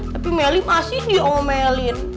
tapi meli masih diomelin